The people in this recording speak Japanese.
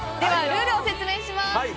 ルールを説明します。